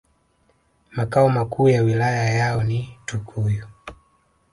Makao makuu ya wilaya yao ni Tukuyu